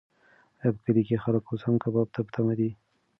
ایا په کلي کې خلک اوس هم کباب ته په تمه دي؟